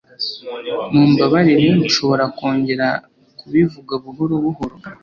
Mumbabarire, ushobora kongera kubivuga buhoro buhoro?